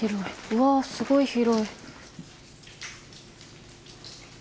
うわすごい広い。